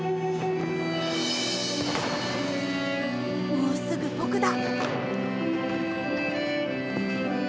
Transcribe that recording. もうすぐ僕だ。